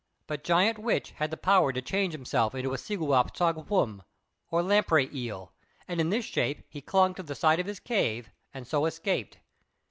But Giant Witch had the power to change himself into a "Seguap Squ Hm," or Lamprey Eel, and in this shape he clung to the side of his cave and so escaped.